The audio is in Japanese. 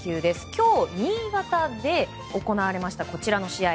今日、新潟で行われましたこちらの試合。